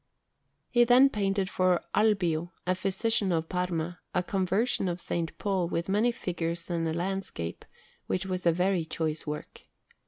He then painted for Albio, a physician of Parma, a Conversion of S. Paul, with many figures and a landscape, which was a very choice work.